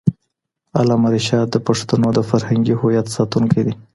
علامه رشاد د پښتنو د فرهنګي هویت ساتونکی دی.